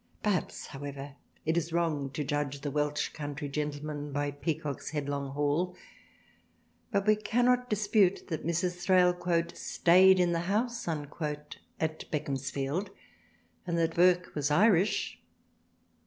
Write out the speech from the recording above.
Perhaps how THRALIANA 33 ever it is wrong to judge the Welsh Country Gentlemen by Peacock's " Headlong Hall " but we cannot dispute that Mrs. Thrale "stayed in the house" at Beaconsfield, and that Burke was Irish.